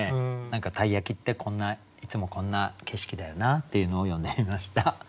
何か鯛焼っていつもこんな景色だよなっていうのを詠んでみました。